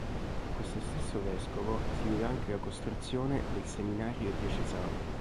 A questo stesso vescovo si deve anche la costruzione del seminario diocesano.